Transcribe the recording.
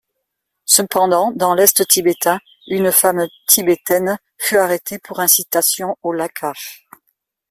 Cependant, dans l'Est tibétain une femme tibétaine fut arrêtée pour incitation au Lhakar.